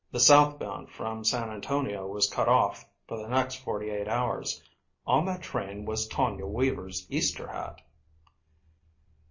The south bound from San Antonio was cut off for the next forty eight hours. On that train was Tonia Weaver's Easter hat.